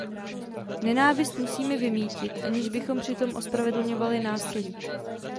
Nenávist musíme vymýtit, aniž bychom přitom ospravedlňovali násilí.